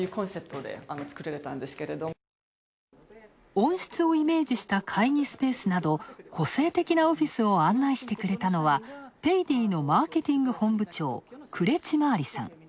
温室をイメージした会議スペースなど個性的なオフィスを案内してくれたのは、ペイディのマーケティング本部長クレチマーリさん。